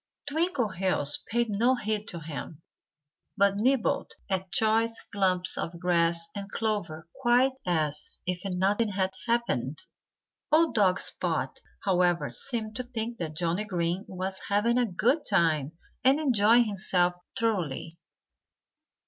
Twinkleheels paid no heed to him, but nibbled at choice clumps of grass and clover quite as if nothing had happened. Old dog Spot, however, seemed to think that Johnnie Green was having a good time and enjoying himself thoroughly.